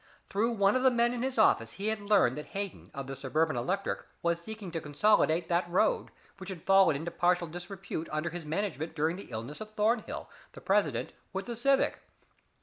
Through one of the men in his office he had learned that Hayden of the Suburban Electric was seeking to consolidate that road, which had fallen into partial disrepute under his management during the illness of Thornhill, the president, with the Civic.